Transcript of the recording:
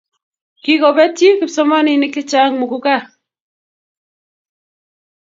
kikobetyi kipsomaninik chechang muguka